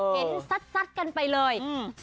เห็นซัดกันไปเลย